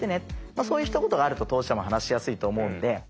そういうひと言があると当事者も話しやすいと思うんで。